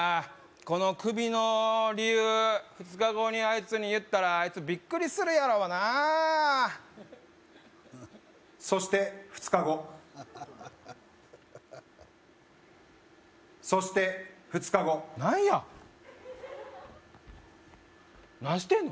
この首の理由２日後にあいつに言ったらあいつビックリするやろうなあそして２日後そして２日後なんや何してんの？